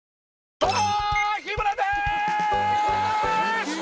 どうも日村です！